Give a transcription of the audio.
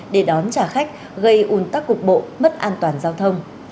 để đón trả khách gây un tắc cục bộ mất an toàn giao thông